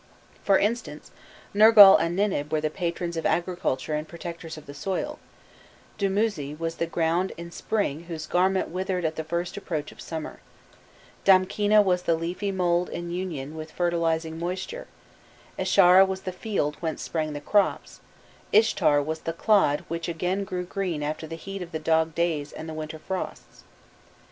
For instance, Nergal and Ninib were the patrons of agriculture and protectors of the soil, Dumuzi was the ground in spring whose garment withered at the first approach of summer, Damkina was the leafy mould in union with fertilizing moisture, Esharra was the field whence sprang the crops, Ishtar was the clod which again grew green after the heat of the dog days and the winter frosts.